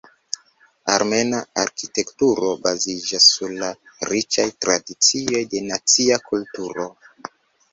Armena arkitekturo baziĝas sur la riĉaj tradicioj de nacia kulturo.